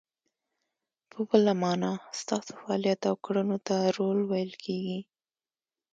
په بله مانا، ستاسو فعالیت او کړنو ته رول ویل کیږي.